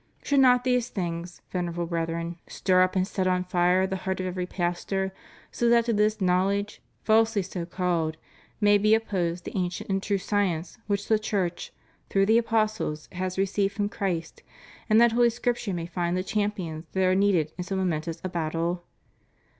Should not these things, Venerable Brethren, stir up and set on fire the heart of every pastor, so that to this knowledge, falsely so called,^ may be opposed the ancient and true science which the Church, through the apostles, has received from Christ, and that Holy Scripture may find the champions that are needed in so momentous a battle?